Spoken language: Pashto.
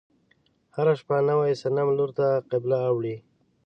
هره شپه نوي صنم لور ته قبله اوړي.